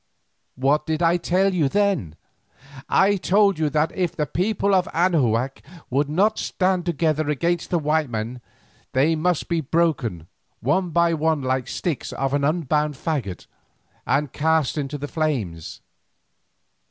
What did I tell you then? I told you that if the people of Anahuac would not stand together against the white men, they must be broken one by one like the sticks of an unbound faggot, and cast into the flames.